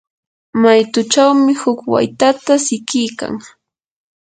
maytuchawmi huk waytata siqikan.